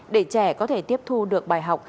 để trẻ có thể tiếp thu được bài học